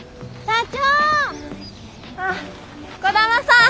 あっ兒玉さん。